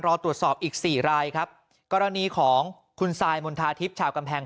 รอตรวจสอบอีกสี่รายครับกรณีของคุณซายมณฑาทิพย์ชาวกำแพง